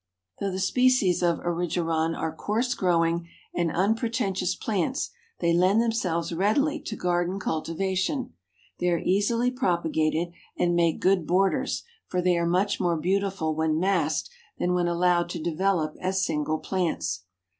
Though the species of Erigeron are coarse growing and unpretentious plants, they lend themselves readily to garden cultivation. They are easily propagated and make good borders, for they are much more beautiful when massed than when allowed to develop as single plants.